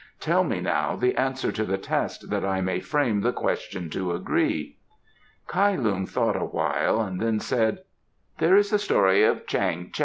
Tell me now the answer to the test, that I may frame the question to agree." Kai Lung thought a while, then said: "There is the story of Chang Tao.